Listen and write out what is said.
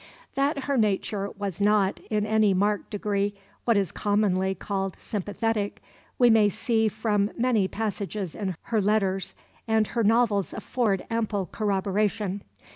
That her nature was not, in any marked degree, what is commonly called "sympathetic" we may see from many passages in her letters, and her novels afford ample corroboration.